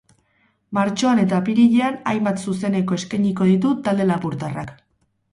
Martxoan eta apirilean hainbat zuzeneko eskainiko ditu talde lapurtarrak.